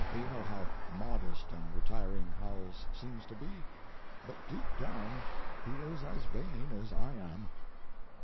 You know how modest and retiring Howells seems to be, but deep down he is as vain as I am.